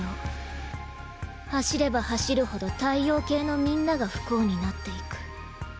走れば走るほど太陽系のみんなが不幸になっていく。